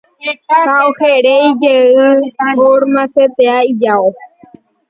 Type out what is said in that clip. Ha ohorei jey omasetea ijao.